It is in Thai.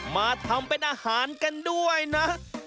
มาทำเป็นอาหารกันด้วยนะ